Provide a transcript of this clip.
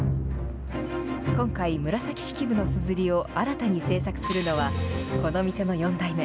今回、紫式部のすずりを新たに製作するのはこの店の４代目。